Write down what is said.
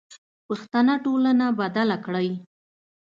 پښتنه ټولنه بدله کړئ.